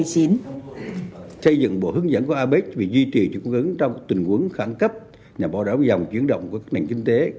xây dựng bộ hướng dẫn của apec vì duy trì chủ cung ứng trong tình huống khẳng cấp nhằm bỏ đảo dòng chuyển động của các nền kinh tế